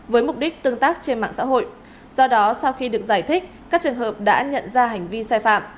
với mục đích tương tác trên mạng xã hội do đó sau khi được giải thích các trường hợp đã nhận ra hành vi sai phạm